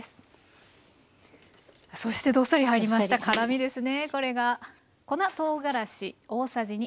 そしてどっさり入りました辛みですね。